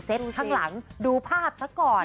เซตทั้งหลังดูภาพซะก่อน